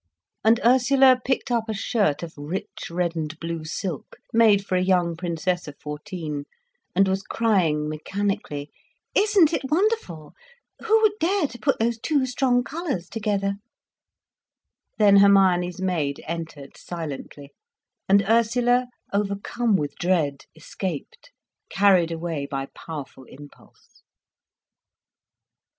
And Ursula picked up a shirt of rich red and blue silk, made for a young princess of fourteen, and was crying mechanically: "Isn't it wonderful—who would dare to put those two strong colours together—" Then Hermione's maid entered silently and Ursula, overcome with dread, escaped, carried away by powerful impulse.